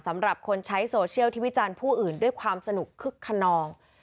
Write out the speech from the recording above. สำหรับคนใช้โซเชียลที่วิจารณ์ผู้อื่นด้วยความสนุกคึกขนอง